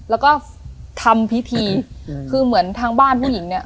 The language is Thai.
แล้วก็ทำพิธีคือเหมือนทางบ้านผู้หญิงเนี่ย